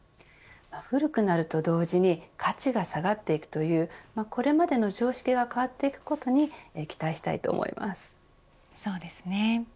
古くなると同時に価値が下がっていくというこれまでの常識が変わっていくことにそうですね。